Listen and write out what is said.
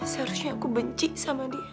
seharusnya aku benci sama dia